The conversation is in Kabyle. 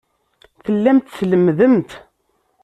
Tellamt tlemmdemt.